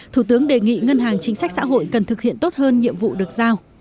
thủ tướng đề nghị ngân hàng chính sách xã hội cần thực hiện tốt hơn nhiệm vụ được giao